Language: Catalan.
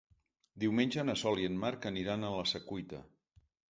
Diumenge na Sol i en Marc aniran a la Secuita.